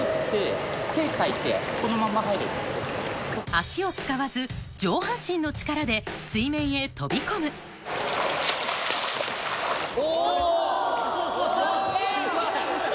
足を使わず上半身の力で水面へ飛び込む・すげぇ！